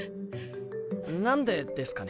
なんでですかね？